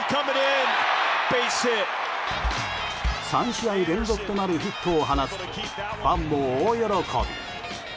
３試合連続となるヒットを放つとファンも大喜び。